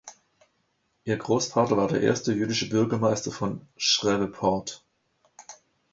Ihr Großvater war der erste jüdische Bürgermeister von Shreveport.